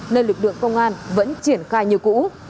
nên lực lượng công an vẫn triển khai như cũ